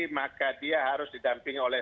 maka dia harus didamping oleh